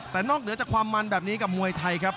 แต่นอกเหนือจากความมันแบบนี้กับมวยไทยครับ